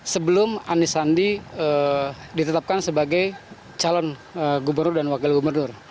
sebelum anisandi ditetapkan sebagai calon gubernur dan wakil gubernur